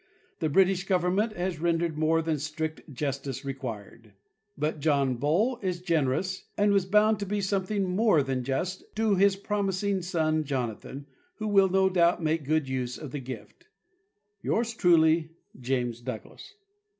The British government has rendered more than strict justice required; but John Bull is generous, and was bound to be something more than just to his promising son Jonathan, who will no doubt make a good use of the Fabien (ena ree: "Yours truly, James DovuGuass."